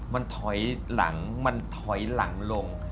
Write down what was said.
มันถอยหลังมันถอยหลังลง